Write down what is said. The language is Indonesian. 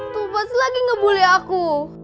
tuh pas lagi ngebully aku